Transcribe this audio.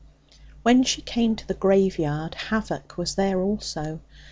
When she came to the graveyard, havoc was there also.